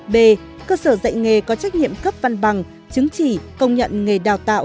b cơ sở dạy nghề có trách nhiệm cấp văn bằng chứng chỉ công nhận nghề đào tạo